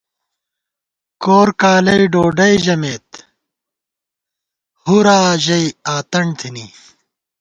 کورکالی ڈوڈَئی ژَمېت ، ہُرّا ژَئی آتݨ تھنی